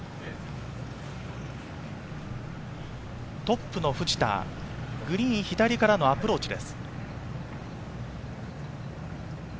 トップの藤田、グリーン左からのアプローチです。